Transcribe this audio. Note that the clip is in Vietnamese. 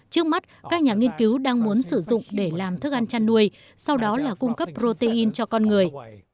trước mắt các nhà nghiên cứu đang muốn sử dụng để làm thức ăn chăn nuôi sau đó là cung cấp protein cho con người